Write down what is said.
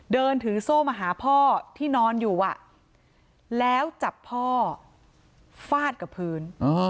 เดินถือโซ่มาหาพ่อที่นอนอยู่แล้วจับพ่อฟาดกับพื้น